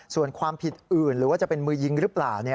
ส่วนความผิดอื่นหรือว่าจะเป็นมือยิงหรือเปล่า